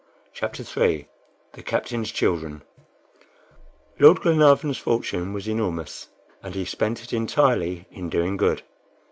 CHAPTER III THE CAPTAIN'S CHILDREN LORD GLENARVAN'S fortune was enormous, and he spent it entirely in doing good.